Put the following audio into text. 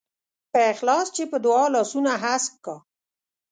په اخلاص چې په دعا لاسونه هسک کا.